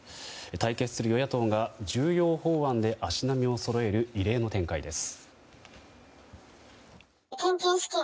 対決する与野党が重要法案で足並みをそろえる異例の展開です。